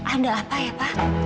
ada apa ya pak